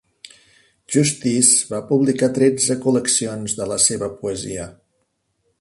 Justice va publicar tretze col·leccions de la seva poesia.